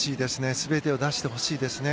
全てを出してほしいですね。